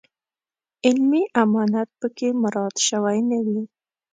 علمي امانت په کې مراعات شوی نه وي.